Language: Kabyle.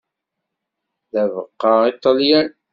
D abeqqa i Ṭalyan.